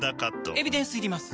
エビデンスいります？